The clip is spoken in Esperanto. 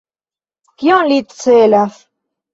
Kion li celas?